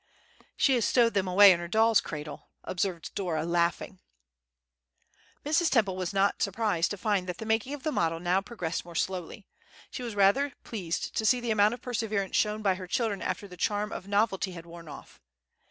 "She has stowed them away in her doll's cradle," observed Dora, laughing. Mrs. Temple was not surprised to find that the making of the model now progressed more slowly; she was rather pleased to see the amount of perseverance shown by her children after the charm of novelty had worn off.